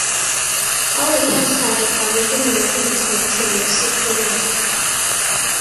All the campsites are within walking distance to Lake Superior.